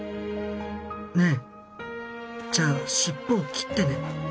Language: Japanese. ねぇじゃあシッポを切ってね